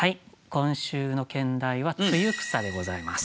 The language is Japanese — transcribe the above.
今週の兼題は「露草」でございます。